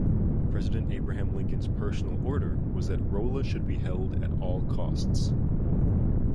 President Abraham Lincoln's personal order was that Rolla should be held at all costs.